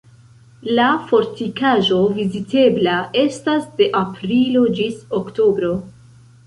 La fortikaĵo vizitebla estas de aprilo ĝis oktobro.